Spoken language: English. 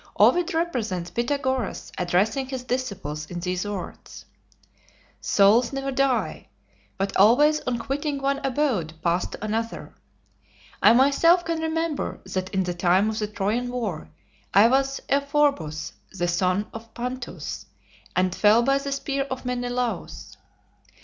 Ovid represents Pythagoras addressing his disciples in these words: "Souls never die, but always on quitting one abode pass to another. I myself can remember that in the time of the Trojan war I was Euphorbus, the son of Panthus, and fell by the spear of Menelaus.